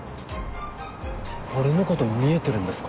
俺のこと見えてるんですか？